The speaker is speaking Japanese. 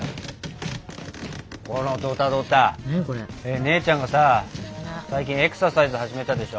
姉ちゃんがさ最近エクササイズ始めたでしょ？